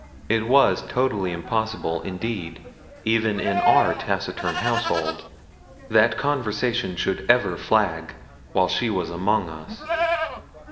It was totally impossible, indeed, even in our taciturn household, that conversation should ever flag while she was among us.